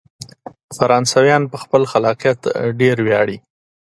فرانسویان په خپل خلاقیت ډیر ویاړي.